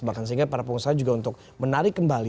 bahkan sehingga para pengusaha juga untuk menarik kembali